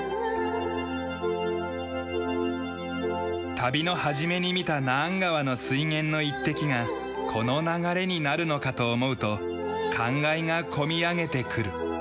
旅の始めに見たナーン川の水源の一滴がこの流れになるのかと思うと感慨が込み上げてくる。